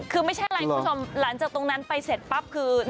คือไม่ใช่อะไรคุณผู้ชมหลังจากตรงนั้นไปเสร็จปั๊บคือ